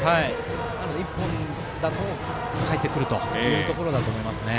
１本だとかえってくるというところだと思います。